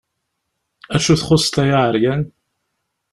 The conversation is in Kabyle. Acu i txuṣṣeḍ ay aɛeyan?